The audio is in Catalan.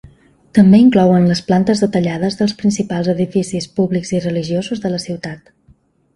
També inclouen les plantes detallades dels principals edificis públics i religiosos de la ciutat.